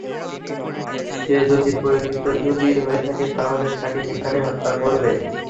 সে যদি প্রকৃতই ইহুদী হয়ে থাকে তাহলে তাকে সেখানেই হত্যা করবে।